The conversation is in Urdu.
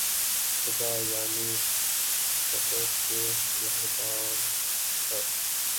خدا‘ یعنی پدر سے مہرباں تر